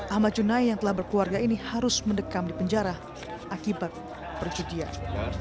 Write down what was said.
ahmad junai yang telah berkeluarga ini harus mendekam di penjara akibat perjudian